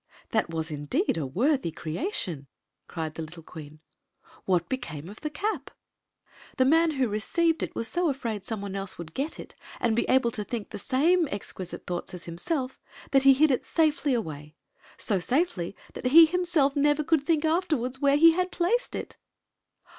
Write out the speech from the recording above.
"That was indeed a worthy creation," cried the little queen. "What became of the cap?" "The man who received it was so afraid some one else would p^et it and be able to think the same exquisite thoughts as himself that he hid it safely away — so safely that he himself never could think afterward where he had placed it."